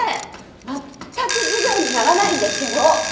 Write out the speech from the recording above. まったく授業にならないんですけど！